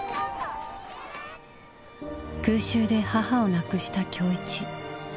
空襲で母を亡くした今日一。